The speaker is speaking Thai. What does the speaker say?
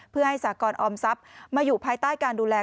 เพื่อให้สากรออมทรัพย์มาอยู่ภายใต้การดูแล